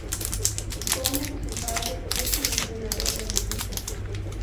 Homer, su padre, es el entrenador del equipo.